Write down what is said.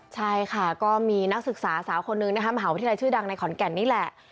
ใช่ค่ะก็มีนักศึกษาสาวคนนึงนะคะมหาวิทยาลัยชื่อดังในขอนแก่นนี่แหละ